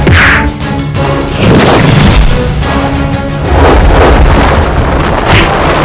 dengan kata brave